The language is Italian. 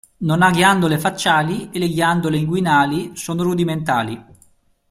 Non ha ghiandole facciali e le ghiandole inguinali sono rudimentali.